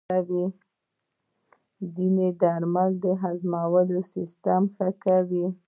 ځینې درمل د هضمولو سیستم ښه کوي.